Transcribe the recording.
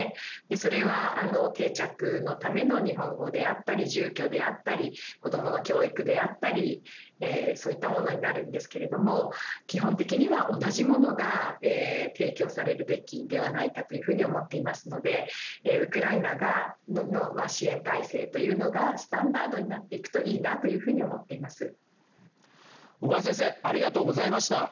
それは、あの定着のための日本語であったり住居であったり子どもの教育であったりそういったものになるんですけれども基本的には同じものが提供されるべきではないかというふうに思っていますのでウクライナの支援体制というのがスタンダードになっていくといいなというふうに小川先生ありがとうございました。